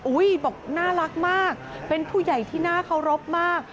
บอกน่ารักมากเป็นผู้ใหญ่ที่น่าเคารพมาก